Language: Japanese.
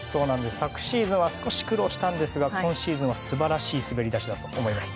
昨シーズンは少し苦労したんですが今シーズンは素晴らしい滑り出しと思います。